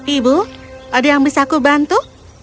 ibu ada yang bisa aku bantu